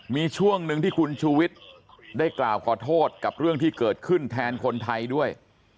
มีช่วงหนึ่งที่คุณชูวิทย์ได้กล่าวขอโทษกับเรื่องที่เกิดขึ้นแทนคนไทยด้วย